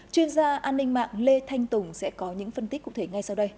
chuyên gia an ninh mạng lê thanh tùng sẽ có những phân tích cụ thể ngay sau đây